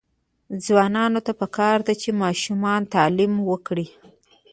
ځوانانو ته پکار ده چې، ماشومانو تعلیم ورکړي.